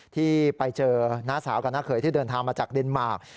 ที่ไปเจอน้าสาวกับน้าเขยที่เดินทางมาจากเดนมาร์ค